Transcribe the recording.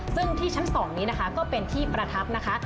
ซึ่งที่ชั้น๒นี้นะคะก็เป็นที่ประทับนะคะ